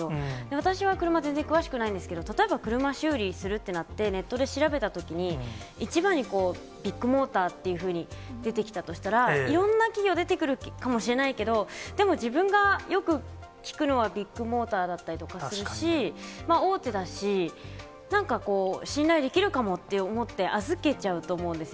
私は車全然詳しくないんですけれども、例えば車修理するってなって、ネットで調べたときに、一番にこう、ビッグモーターというふうに出てきたとしたら、いろんな企業出てくるかもしれないけど、でも、自分がよく聞くのはビッグモーターだったりとかするし、大手だし、なんかこう、信頼できるかもと思って預けちゃうと思うんですよ。